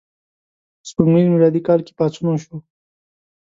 په سپوږمیز میلادي کال کې پاڅون وشو.